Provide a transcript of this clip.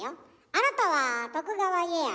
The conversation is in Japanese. あなたは徳川家康？